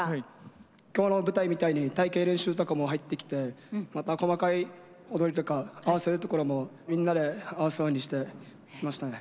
今日の舞台みたいに隊形練習とかも入ってきてまた細かい踊りとか合わせるところもみんなで合わすようにしてましたね。